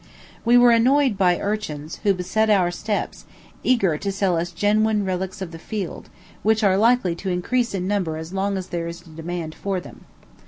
We were annoyed by urchins, who beset our steps, eager to sell us genuine relics of the field, which are likely to increase in number as long as there is a demand for them.